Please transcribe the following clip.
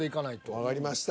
わかりました。